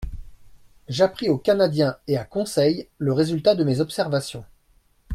J'appris au Canadien et à Conseil le résultat de mes observations.